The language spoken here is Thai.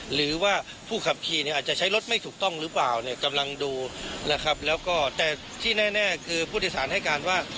หรือว่าผู้ขับขี่เนี่ยอาจจะใช้รถไม่ถูกต้องหรือเปล่าเนี่ยกำลังดูนะครับแล้วก็แต่ที่แน่คือผู้โดยสารให้การว่า